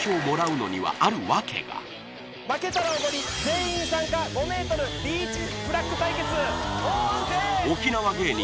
負けたらおごり全員参加５ｍビーチフラッグス対決後半戦沖縄芸人